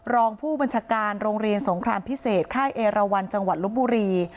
รองผู้บัญชาการโรงเรียนสงครามพิเศษค่ายเอราวันจังหวัดลบบุรี